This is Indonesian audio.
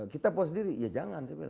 kita post diri ya jangan